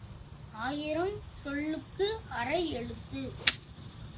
ஆயிரம் சொல்லுக்கு அரை எழுத்து.